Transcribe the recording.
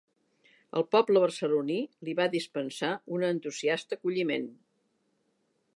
El poble barceloní li va dispensar un entusiasta acolliment.